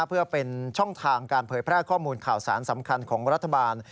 เพื่อเป็นช่องทางการเผยแพร่ข้อมูลข่าวสารสำคัญของรัฐบาล